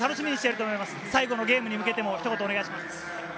最後のゲームに向けて一言お願いします。